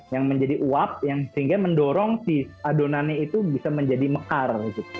yang menjadi uap yang sehingga mendorong si adonannya itu bisa menjadi mekar